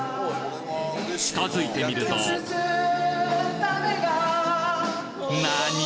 近づいてみるとなに？